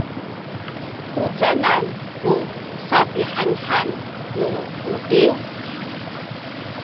u canan ku sapihanhan nu buting?